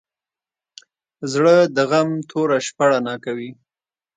زړه د غم توره شپه رڼا کوي.